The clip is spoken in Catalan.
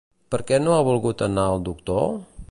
Per què no ha volgut anar al doctor?